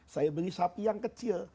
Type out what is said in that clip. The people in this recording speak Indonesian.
saya beli sapi yang kecil